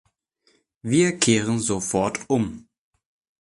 Wir kehren sofort um!